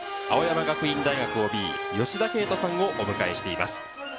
青山学院大学ＯＢ・吉田圭太さんをお迎えしています。